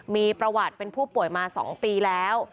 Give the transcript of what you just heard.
มีประวัติเป็นผู้ป่วยมา๒ปีแล้ว